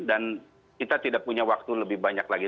dan kita tidak punya waktu lebih banyak lagi